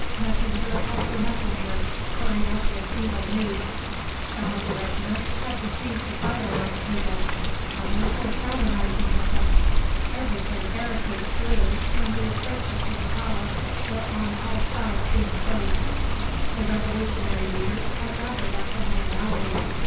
Messenger after messenger hurried up with evil news. Some of the regiments had refused to fire on the people; others were fraternising with them; everywhere barricades grew and the approaches to the palace were on all sides being closed. The Revolutionary leaders had gathered at the Mayoralty.